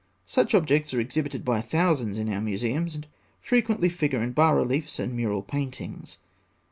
Such objects are exhibited by thousands in our museums, and frequently figure in bas reliefs and mural paintings.